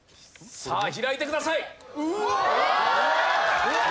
さあ開いてください。